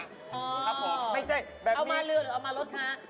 ครับผมไม่ใช่แบบเอามาเรือหรือเอามารถคะ